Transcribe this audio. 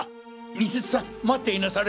西津さん待っていなされ！